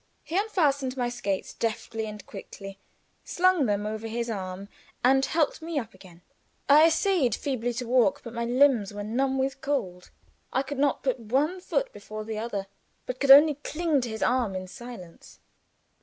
He unfastened my skates deftly and quickly, slung them over his arm, and helped me up again. I essayed feebly to walk, but my limbs were numb with cold. I could not put one foot before the other, but could only cling to his arm in silence.